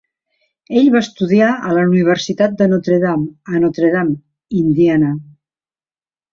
Ell va estudiar a la universitat de Notre Dame, a Notre Dame (Indiana).